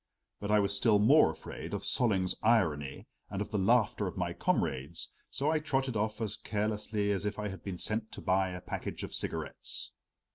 But I was still more afraid of Solling's irony and of the laughter of my comrades, so I trotted off as carelessly as if I had been sent to buy a package of cigarettes.